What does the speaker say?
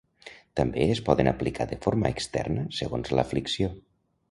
També es poden aplicar de forma externa segons l'aflicció.